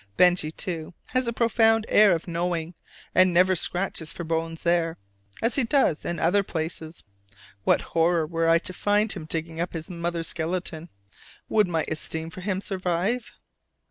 Benjy, too, has a profound air of knowing, and never scratches for bones there, as he does in other places. What horror, were I to find him digging up his mother's skeleton! Would my esteem for him survive?